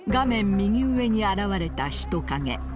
右上に現れた人影。